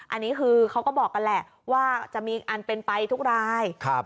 อันนี้คือเขาก็บอกกันแหละว่าจะมีอันเป็นไปทุกราย